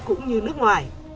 cũng như nước ngoài